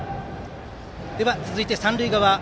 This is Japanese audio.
続いて三塁側